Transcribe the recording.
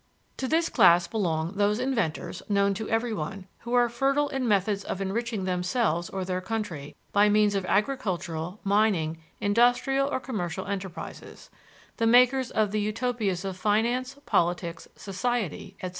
To this class belong those inventors, known to everyone, who are fertile in methods of enriching themselves or their country by means of agricultural, mining, industrial or commercial enterprises; the makers of the utopias of finance, politics, society, etc.